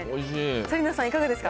紗理奈さん、いかがですか？